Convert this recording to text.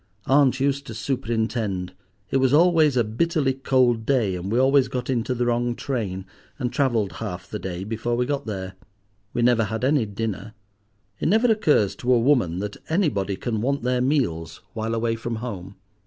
Aunt used to superintend. It was always a bitterly cold day, and we always got into the wrong train, and travelled half the day before we got there. We never had any dinner. It never occurs to a woman that anybody can want their meals while away from home.